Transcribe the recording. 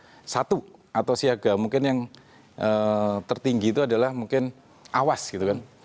kalau itu sampai siaga satu atau siaga mungkin yang tertinggi itu adalah mungkin awas gitu kan